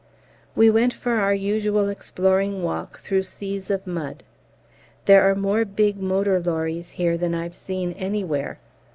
We went for our usual exploring walk through seas of mud. There are more big motor lorries here than I've seen anywhere.